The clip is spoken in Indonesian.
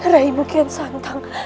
raibu kian santang